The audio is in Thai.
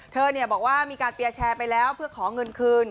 บอกว่ามีการเปียร์แชร์ไปแล้วเพื่อขอเงินคืน